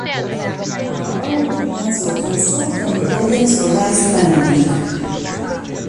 However, the plans were cancelled, and the buildings were left standing.